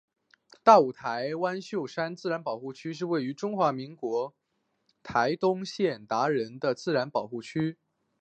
大武台湾油杉自然保护区是位于中华民国台东县达仁乡的自然保护区。